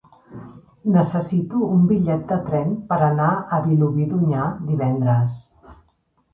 Necessito un bitllet de tren per anar a Vilobí d'Onyar divendres.